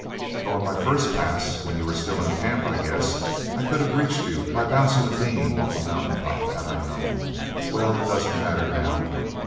Though on my first pass, when you were still in camp, I guess I could have reached you by bouncing a beam off a mountain top, had I known... Well, it doesn't matter, now.